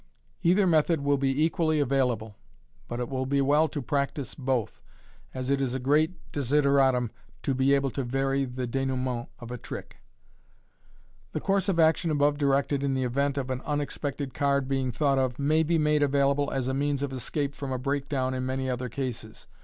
Either method will be equally available, but it will be well to practise both, as it is a great desideratum to be able to vary the denouement of a trick. ITie course of action above directed in the event of an unexpected card being thought of, may be made available as a means of escape from a break down in many other cases.